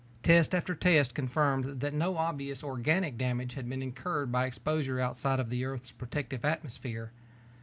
Test after test confirmed that no obvious organic damage had been incurred by exposure outside of the Earth's protective atmosphere.